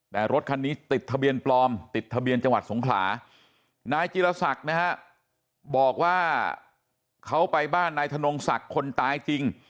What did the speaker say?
แต่รถคันนี้ติดทะเบียนปลอมติดทะเบียนจังหวัดสงขลานายจิลศักดิ์นะฮะบอกว่าเขาไปบ้านนายธนงศักดิ์คนตายจริง